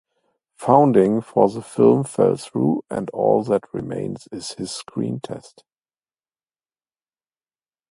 Funding for the film fell through and all that remains is his screen test.